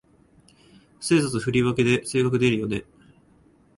ステータス振り分けで性格出るよね